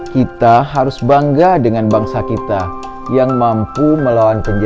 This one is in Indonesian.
kita harus bangga dengan bangsa kita yang mampu melawan penjara